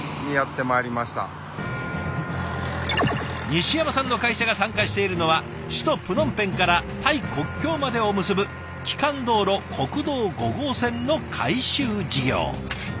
西山さんの会社が参加しているのは首都プノンペンからタイ国境までを結ぶ基幹道路国道５号線の改修事業。